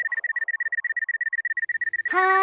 はい。